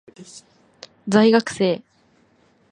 在学生